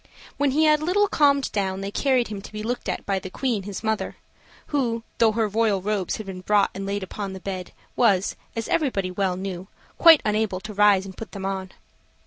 When he had a little calmed down, they carried him to be looked at by the Queen his mother, who, though her royal robes had been brought and laid upon the bed, was, as everybody well knew, quite unable to rise and put them on.